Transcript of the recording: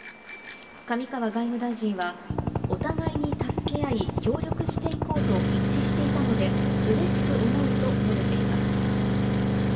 上川外務大臣はお互いに助け合い、協力していこうと一致していたので、嬉しく思うと述べています。